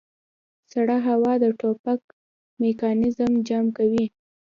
سړه هوا د ټوپک میکانیزم جام کوي